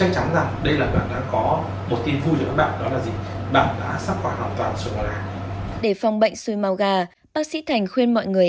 ra đó là gì bạn đã sắp hoàn toàn rồi để phòng bệnh xùi màu gà bác sĩ thành khuyên mọi người